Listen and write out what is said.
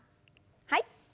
はい。